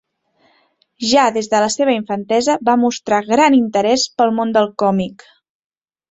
Ja des de la seva infantesa, va mostrar gran interès pel món del còmic.